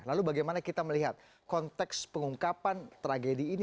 lalu bagaimana kita melihat konteks pengungkapan tragedi ini